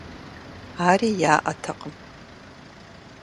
Ари яӏэтэкъым.